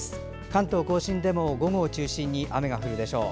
関東・甲信でも午後を中心に雨が降るでしょう。